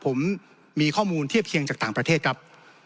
ผมมีข้อมูลเทียบเคียงจากต่างประเทศครับ